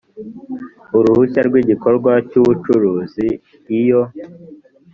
uruhushya rw igikorwa cy ubucuruzi iyo